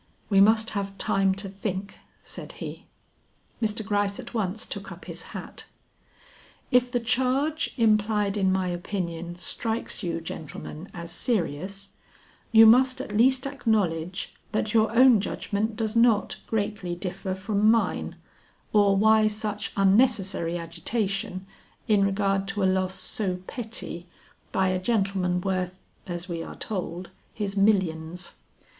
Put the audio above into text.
"We must have time to think," said he. Mr. Gryce at once took up his hat. "If the charge implied in my opinion strikes you, gentlemen, as serious, you must at least acknowledge that your own judgment does not greatly differ from mine, or why such unnecessary agitation in regard to a loss so petty, by a gentleman worth as we are told his millions."